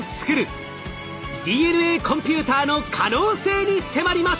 ＤＮＡコンピューターの可能性に迫ります！